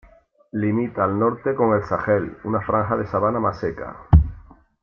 Limita al norte con el Sahel, una franja de sabana más seca.